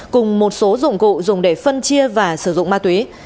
cùng một số dụng cụ dùng để phân chia và sử dụng ma túy